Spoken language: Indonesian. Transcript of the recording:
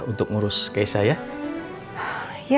untuk ngurus cash nya ya